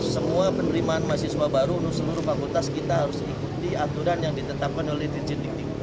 semua penerimaan mahasiswa baru untuk seluruh fakultas kita harus ikuti aturan yang ditetapkan oleh dirjen dikti